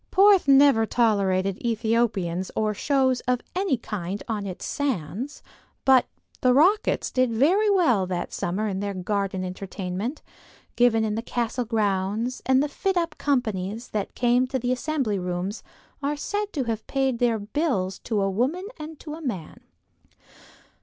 Porth never tolerated Ethiopians or shows of any kind on its sands, but "The Rockets" did very well during that summer in their garden entertainment, given in the castle grounds, and the fit up companies that came to the Assembly Rooms are said to have paid their bills to a woman and to a man.